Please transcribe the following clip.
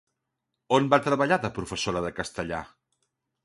On va treballar de professora de castellà?